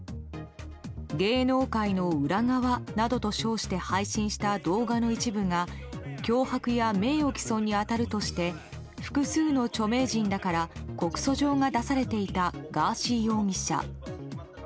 芸能界の裏側などと称して配信した動画の一部が脅迫や名誉棄損に当たるとして複数の著名人らから告訴状が出されていたガーシー容疑者。